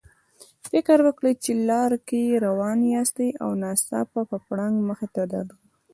فکر وکړئ چې لار کې روان یاستئ او ناڅاپه پړانګ مخې ته درغی.